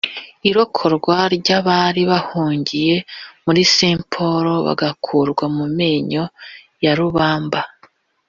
Irokorwa ry’abari bahungiye muri Saint Paul bagakurwa mu menyo ya rubamba